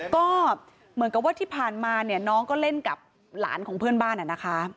ก็เหมือนกับว่าที่ผ่านมาเนี่ยน้องก็เล่นกับหลานของเพื่อนบ้านนะคะ